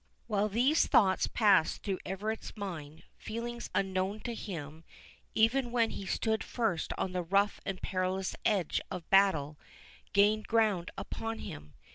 While these thoughts passed through Everard's mind, feelings unknown to him, even when he stood first on the rough and perilous edge of battle, gained ground upon him.